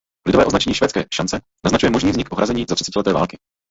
Lidové označení „Švédské šance“ naznačuje možný vznik ohrazení za třicetileté války.